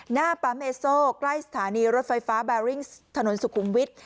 หน้าปั๊มเอสโซใกล้สถานีรถไฟฟ้าแบริ่งถนนสุขุมวิทย์